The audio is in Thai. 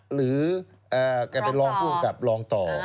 หรือแกไปรองกลุ่มกับรองต่อ